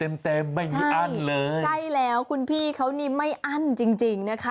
ไม่อั้นเลยใช่แล้วคุณพี่เขานิมไม่อั้นจริงจริงนะคะ